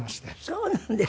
そうなんですか。